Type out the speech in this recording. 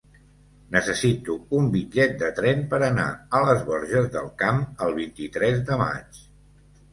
Necessito un bitllet de tren per anar a les Borges del Camp el vint-i-tres de maig.